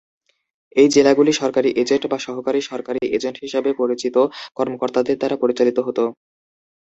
এই জেলাগুলি সরকারী এজেন্ট বা সহকারী সরকারী এজেন্ট হিসাবে পরিচিত কর্মকর্তাদের দ্বারা পরিচালিত হত।